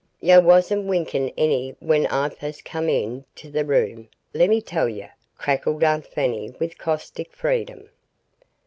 "Yo' wasn' winkin' any when Ah fust come into de room, lemme tell yo'," cackled Aunt Fanny with caustic freedom.